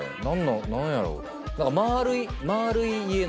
何やろう。